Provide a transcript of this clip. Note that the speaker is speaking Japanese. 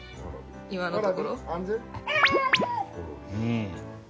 今のところ？